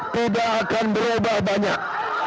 tidak akan berubah banyak